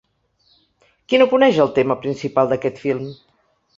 Qui no coneix el tema principal d’aquest film?